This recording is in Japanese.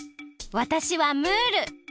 わたしはムール。